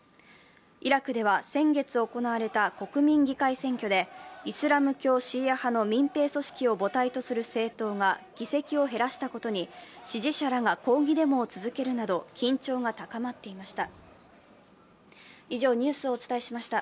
イラクでは、先月行われた国民議会選挙でイスラム教シーア派の民兵組織を母体とする政党が議席を減らしたことに支持者が抗議デモを続けるなど緊張が高まっていました。